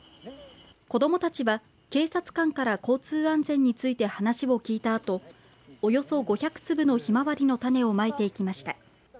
子どもたちは警察官から交通安全について話を聞いたあとおよそ５００粒のひまわりの種をまいていきました。